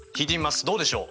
どうでしょう？